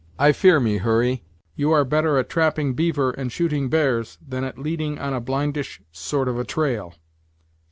I fear me, Hurry, you are better at trapping beaver and shooting bears, than at leading on a blindish sort of a trail.